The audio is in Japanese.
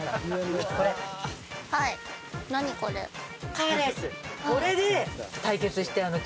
カーレース。